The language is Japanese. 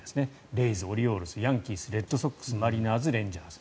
レイズ、オリオールズヤンキース、レッドソックスマリナーズ、レンジャーズ。